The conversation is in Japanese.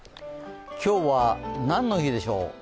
今日は、何の日でしょう